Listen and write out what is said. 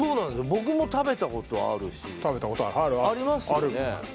僕も食べたことあるし食べたことあるあるありますよね